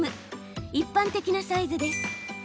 一般的なサイズです。